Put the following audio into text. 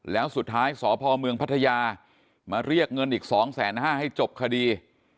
แล้วสุดท้ายสพเมืองพัทยามาเรียกเงินอีก๒๕๐๐ให้จบคดี